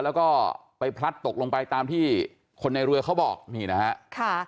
แล้วก็ไปพลัดตกลงไปตามที่คนในเรือเขาบอกนี่นะฮะค่ะ